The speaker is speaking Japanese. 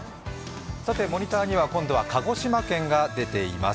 モニターには今度は鹿児島県が出ています。